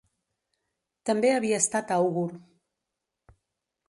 També havia estat àugur.